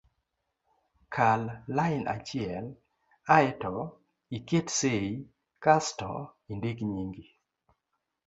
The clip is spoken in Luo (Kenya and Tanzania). kal lain achiel ae to iket sei kasto indik nyingi